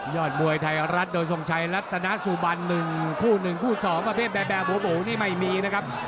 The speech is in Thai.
ยอดมวยไทยรัฐโดยสงสัยลัตนสุบัรคู่๑คู่๒มาเปิดแบบแบบบวกนี่ไม่มีนะครับ